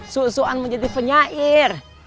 susuan menjadi penyair